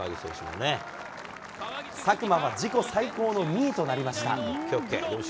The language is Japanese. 佐久間は自己最高の２位となりました。